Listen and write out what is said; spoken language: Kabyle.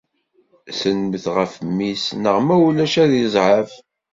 Sellmet ɣef mmi-s, neɣ ma ulac ad izɛef.